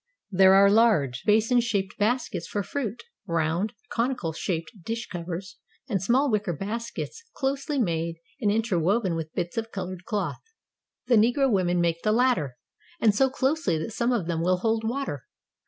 There are large basin shaped baskets for fruit, round, conical shaped dish covers, and small wicker baskets closely made and interwoven with bits of colored cloth. The Negro women make the latter, and so closely that some of them will hold water.